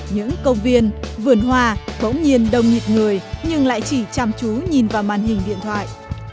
những công viên vườn hoa ngẫu nhiên đông nghịt người nhưng lại chỉ chăm chú nhìn vào màn hình điện thoại